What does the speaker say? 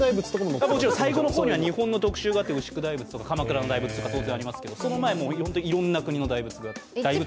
もちろん最後の方には日本の特集もあって、牛久大仏とか鎌倉の大仏とか当然ありますけどその前もいろんな国の巨像があって。